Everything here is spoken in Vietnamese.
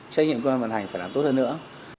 trách nhiệm cơ quan vận hành phải làm tốt hơn nữa